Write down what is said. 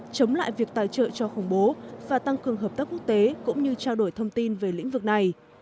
chống lại việc tài trợ cho khủng bố và tăng cường hợp tác quốc tế cũng như trao đổi thông tin về lĩnh vực này